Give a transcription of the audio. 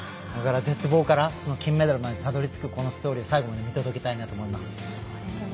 だから絶望から金メダルまでたどりつくこのストーリー、最後まで見届けたいなと思います。